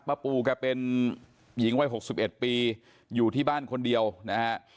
ป้าปูแกเป็นหญิงว่ายหกสิบเอ็ดปีอยู่ที่บ้านคนเดียวนะฮะ